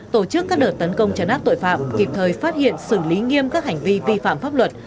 tổ chức các đợt tấn công chấn áp tội phạm kịp thời phát hiện xử lý nghiêm các hành vi vi phạm pháp luật